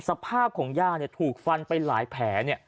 สภาพของย่าถูกฟันไปหลายแผล